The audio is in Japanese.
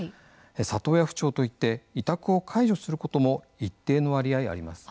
里親不調といって委託を解除することも一定の割合あります。